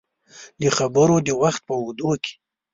د خبرو د وخت په اوږدو کې